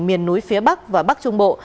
miền núi phía bắc và bắc trung bộ